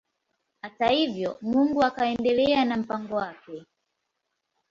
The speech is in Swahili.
Hata hivyo Mungu akaendelea na mpango wake.